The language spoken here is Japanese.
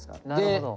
なるほど。